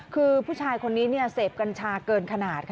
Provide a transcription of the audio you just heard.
คือผู้ชายคนนี้เสพกัญชาเกินขนาดค่ะ